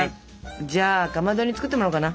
じゃあかまどに作ってもらおうかな。